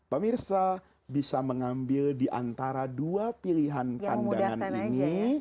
pemirsa bisa mengambil diantara dua pilihan kandangan ini